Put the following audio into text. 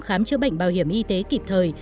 khám chữa bệnh bảo hiểm y tế kịp thời